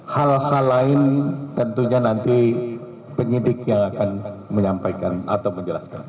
hal hal lain tentunya nanti penyidik yang akan menyampaikan atau menjelaskan